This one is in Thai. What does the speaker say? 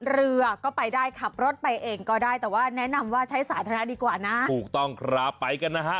เรือก็ไปได้ขับรถไปเองก็ได้แต่ว่าแนะนำว่าใช้สาธารณะดีกว่านะถูกต้องครับไปกันนะฮะ